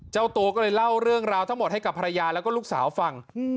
เจ้าตัวก็เลยเล่าเรื่องราวทั้งหมดให้กับภรรยาแล้วก็ลูกสาวฟัง